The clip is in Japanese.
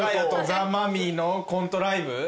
ザ・マミィのコントライブ。